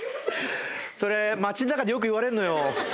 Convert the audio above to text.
それ街の中でよく言われんのよ